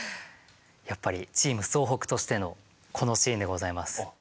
やっぱりチーム総北としてのこのシーンでございます。